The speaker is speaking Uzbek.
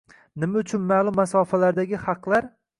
Nima uchun ma'lum masofalardagi haqlar?